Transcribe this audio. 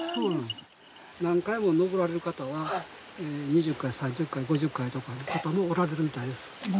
何回も登られる方は２０回３０回５０回とかの方もおられるみたいです。